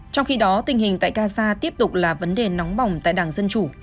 trong khi đó tình hình tại gaza tiếp tục là vấn đề nóng bỏng tại đảng dân chủ